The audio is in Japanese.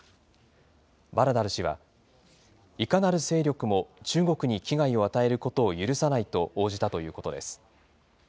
バラダル師は、いかなる勢力も中国に危害を与えることを許さないと応じたということです。